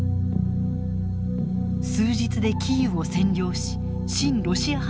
数日でキーウを占領し親ロシア派の政権を樹立。